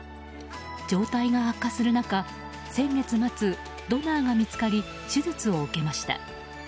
状態が悪化する中先月末ドナーが見つかり手術を受けました。